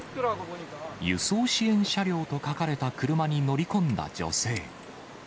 輸送支援車両と書かれた車に乗り込んだ女性。